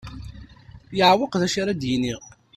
Yeɛweq d acu ara d-yini.